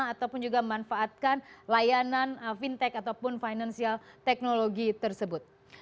ataupun juga memanfaatkan layanan fintech ataupun financial technology tersebut